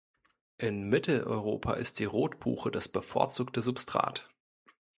In Mitteleuropa ist die Rotbuche das bevorzugte Substrat.